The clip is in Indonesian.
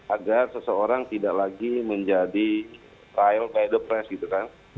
agar seseorang tidak lagi menjadi trial by the press gitu kan